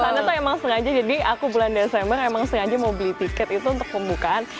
karena tuh emang sengaja jadi aku bulan desember emang sengaja mau beli tiket itu untuk pembukaan